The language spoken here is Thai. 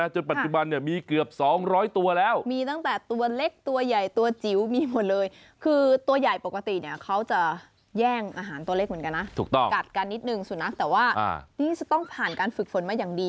จริงคือตัวใหญ่ปกติเนี่ยเขาจะแย่งอาหารตัวเล็กเหมือนกันนะถูกต้องกลับกันนิดหนึ่งสุนัขแต่ว่าอ่านี่จะต้องผ่านการฝึกฝนมาอย่างดี